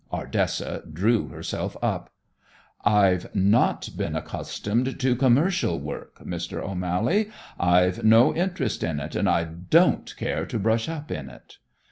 Ardessa drew herself up. "I've not been accustomed to commercial work, Mr. O'Mally. I've no interest in it, and I don't care to brush up in it."